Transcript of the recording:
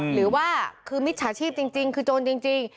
หรือว่าคือมิจฉาชีพจริงคือโจรจริง